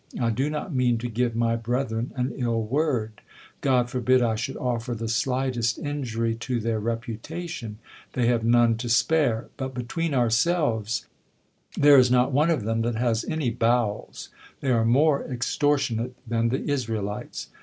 I do not mean to give my brethren an ill word : God forbid I should offer the slightest injury to their reputation ! They have none to spare. But, between ourselves, there is hot one of them that has any bowels ; they are more extor tionate than the Israelites.